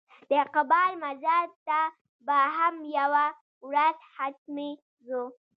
د اقبال مزار ته به هم یوه ورځ حتمي ځو.